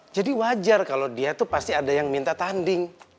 jadi wajar kalau dia tuh pasti ada yang minta tanding